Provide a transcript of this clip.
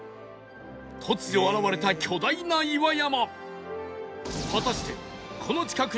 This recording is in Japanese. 突如現れた巨大な岩山